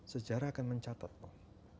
sejarah akan mencatat